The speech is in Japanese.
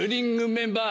メンバー